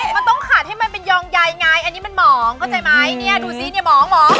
มันต้องขาดให้มันเป็นยองใยไงอันนี้มันหมองเข้าใจไหมเนี่ยดูสิเนี่ยหมอ